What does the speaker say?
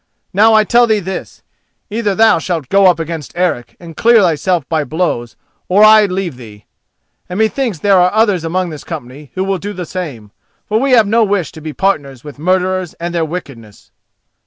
Now I tell thee this: either thou shalt go up against Eric and clear thyself by blows, or I leave thee; and methinks there are others among this company who will do the same, for we have no wish to be partners with murderers and their wickedness."